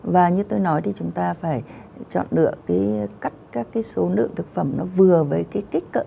và như tôi nói thì chúng ta phải chọn được cái cắt các cái số lượng thực phẩm nó vừa với cái kích cỡ